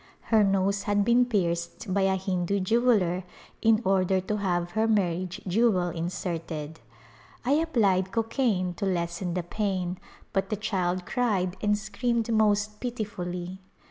Her nose had been pierced by a Hindu jeweller in order to have her marriage jewel inserted. I applied co caine to lessen the pain but the child cried and screamed most pitifully.